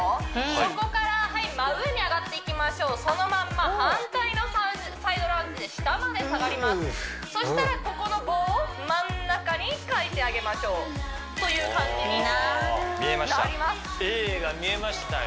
そこからはい真上に上がっていきましょうそのまんま反対のサイドランジ下まで下がりますそしたらここの棒を真ん中にかいてあげましょうという感じになります見えました「Ａ」が見えましたよ